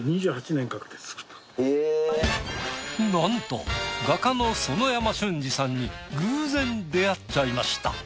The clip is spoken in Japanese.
なんと画家の園山春二さんに偶然出会っちゃいました。